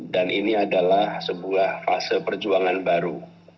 dan ini adalah sebuah fase perjuangan baru